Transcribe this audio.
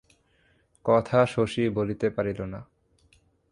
কথা শশী বলিতে পারিল না।